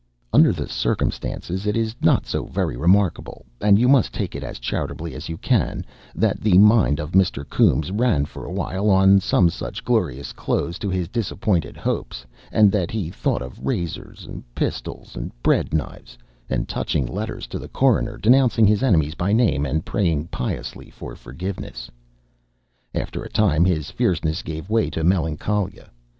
Under the circumstances it is not so very remarkable and you must take it as charitably as you can that the mind of Mr. Coombes ran for a while on some such glorious close to his disappointed hopes, and that he thought of razors, pistols, bread knives, and touching letters to the coroner denouncing his enemies by name, and praying piously for forgiveness. After a time his fierceness gave way to melancholia.